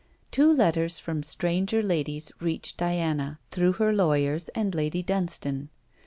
Two letters from stranger ladies reached Diana, through her lawyers and Lady Dunstane.